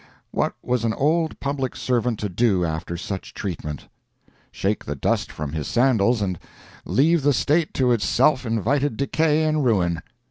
What was an old public servant to do after such treatment? Shake the dust from his sandals and leave the State to its self invited decay and ruin.